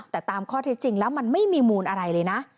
แต่ตามข้อเท็จจริงแล้วมันไม่มีมูลอะไรเลยนะ